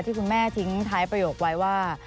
ที่คุณแม่ทิ้งท้ายประโยคไว้ว่า